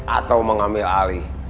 atau mengambil alih